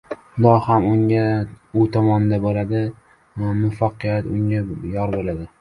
xudo ham uning tomonida bo‘ladi va muvaffaqiyat unga yor bo‘ladi.